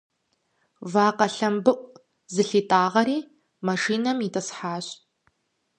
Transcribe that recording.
Вакъэ лъэмбыӏу зылъитӏагъэри машинэм итӏысхьащ.